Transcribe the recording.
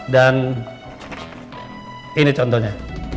dan ini contohnya